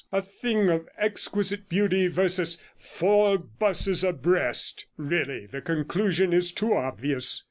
A thing of exquisite beauty versus four 'buses abreast! Really, the conclusion is too obvious.